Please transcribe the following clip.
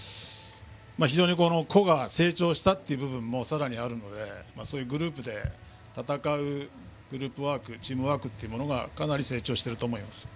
非常に個が成長した部分もさらにあるのでグループで戦うグループワークチームワークがかなり成長していると思います。